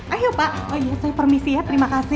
ayo pak oh iya saya permisi ya terima kasih